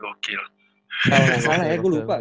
kalau gak salah ya gue lupa